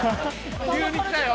急に来たよ。